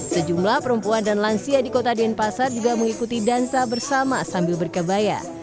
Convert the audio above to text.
sejumlah perempuan dan lansia di kota denpasar juga mengikuti dansa bersama sambil berkebaya